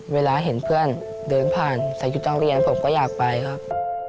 เวลาเห็นเพื่อนเดินผ่านใส่ชุดต้องเรียนผมก็อยากไปครับ